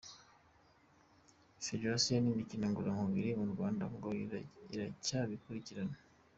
Federasiyo y’imikino ngororamubiri mu Rwanda ngo iracyabikurikirana .